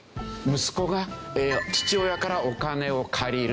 息子が父親からお金を借りる。